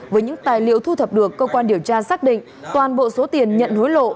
với những tài liệu thu thập được cơ quan điều tra xác định toàn bộ số tiền nhận hối lộ